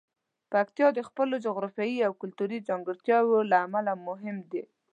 پکتیا د خپلو جغرافیايي او کلتوري ځانګړتیاوو له امله مهم دی.